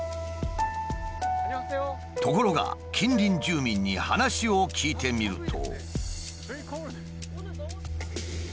ところが近隣住民に話を聞いてみると。